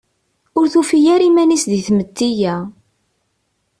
Ur tufi ara iman-is di tmetti-a.